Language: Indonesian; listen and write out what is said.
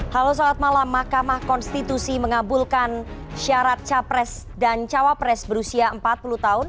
halo selamat malam mahkamah konstitusi mengabulkan syarat capres dan cawapres berusia empat puluh tahun